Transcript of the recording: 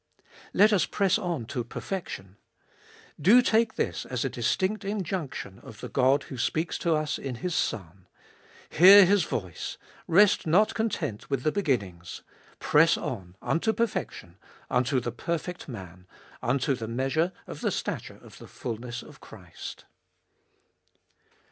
2. Let us press on to perfection. Do take this as a distinct injunction of the God who speaks to us in His Son. Hear His voice, rest not content with the beginnings—press on — unto perfection, unto the perfect man, unto the measure of the stature of the fulness of Christ.